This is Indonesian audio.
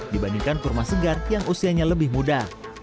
dibandingkan kurma segar yang usianya lebih muda